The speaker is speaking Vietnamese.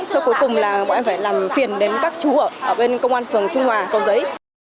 sau cuối cùng là bọn em phải làm phiền đến các chùa ở bên công an phường trung hòa cầu giấy